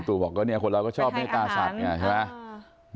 คุณตูบอกว่าคนเราก็ชอบไม่ได้ตาฉัดใช่ไหม